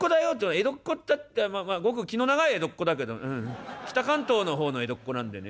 江戸っ子ったってまあごく気の長い江戸っ子だけど北関東の方の江戸っ子なんでね。